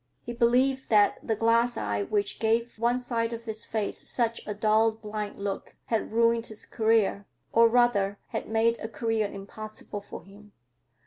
He believed that the glass eye which gave one side of his face such a dull, blind look, had ruined his career, or rather had made a career impossible for him.